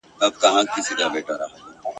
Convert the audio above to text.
چي تر بیرغ لاندي یې ټول ..